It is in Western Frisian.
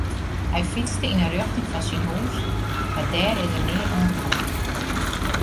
Hy fytste yn 'e rjochting fan syn hús mar dêr is er nea oankommen.